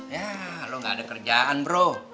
yah lu gaada kerjaan bro